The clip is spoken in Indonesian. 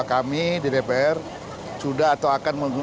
kami di dpr sudah atau akan menggunakan